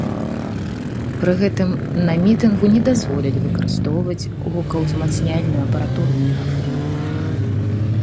Пры гэтым на мітынгу не дазволілі выкарыстоўваць гукаўзмацняльную апаратуру і мегафоны.